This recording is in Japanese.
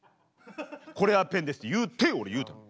これはペンですって言うて俺言うたん。